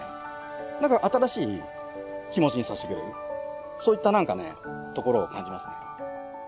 なんか新しい気持ちにさせてくれるそういったところを感じますね。